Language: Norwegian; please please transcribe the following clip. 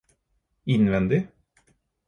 innvendig